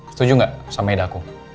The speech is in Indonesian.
setuju gak sama eda aku